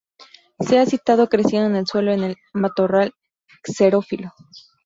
Se ha citado creciendo en el suelo en el matorral xerófilo.